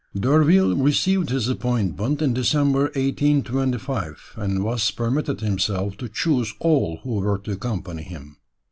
D'Urville received his appointment in December, 1825, and was permitted himself to choose all who were to accompany him.